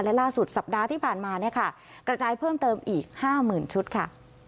และล่าสุดสัปดาห์ที่ผ่านมาเนี่ยค่ะกระจายเพิ่มเติมอีก๕๐๐๐ชุดค่ะ